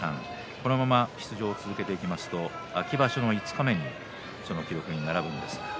このまま出場を続けていきますと秋場所の五日目にその記録に並びます。